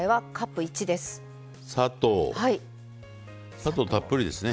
砂糖たっぷりですね。